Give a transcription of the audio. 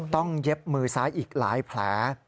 เย็บมือซ้ายอีกหลายแผล